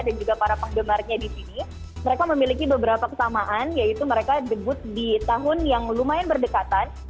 dan juga para penggemarnya di sini mereka memiliki beberapa kesamaan yaitu mereka debut di tahun yang lumayan berdekatan